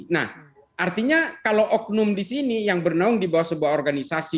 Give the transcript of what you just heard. nah artinya kalau oknum di sini yang bernaung di bawah sebuah organisasi